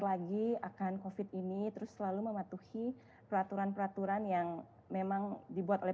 lagi akan kofit ini terus selalu mematuhi peraturan peraturan yang memang dibuat oleh